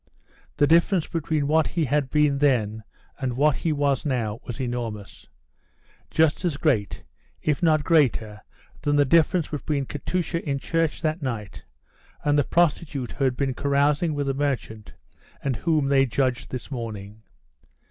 The difference between what he had been then and what he was now, was enormous just as great, if not greater than the difference between Katusha in church that night, and the prostitute who had been carousing with the merchant and whom they judged this morning.